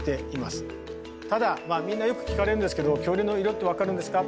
ただみんなよく聞かれるんですけど「恐竜の色って分かるんですか？」。